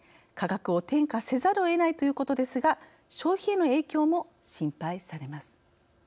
価格を転嫁せざるをえないということですが消費への影響も心配されます。